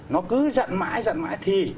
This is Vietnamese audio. nó cứ dặn mãi dặn mãi